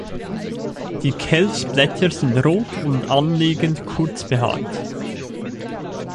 Die Kelchblätter sind rot und anliegend kurz behaart.